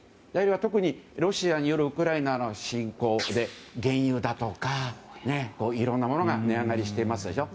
特にロシアによるウクライナへの侵攻で原油だとかいろんなものが値上がりしていますでしょ。